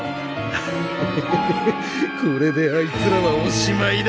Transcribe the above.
ヒヒヒヒヒこれであいつらはおしまいだ。